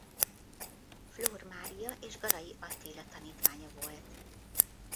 Flór Mária és Garay Attila tanítványa volt.